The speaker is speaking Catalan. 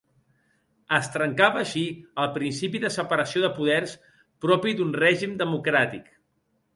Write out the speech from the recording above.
Es trencava així el principi de separació de poders propi d'un règim democràtic.